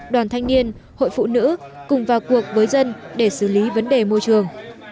đoàn thanh niên hội phụ nữ cùng vào cuộc với dân để xử lý vấn đề môi trường